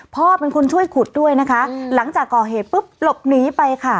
พ่อเป็นคนช่วยขุดด้วยนะคะหลังจากก่อเหตุปุ๊บหลบหนีไปค่ะ